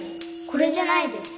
これじゃないです